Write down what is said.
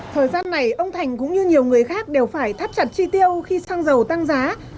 thời gian này ông thành cũng như nhiều người khác đều phải thắt chặt chi tiêu khi xăng dầu tăng giá